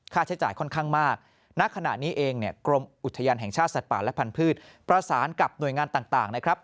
ใช้จ่ายค่อนข้างมากณขณะนี้เองเนี่ยกรมอุทยานแห่งชาติสัตว์ป่าและพันธุ์ประสานกับหน่วยงานต่างนะครับ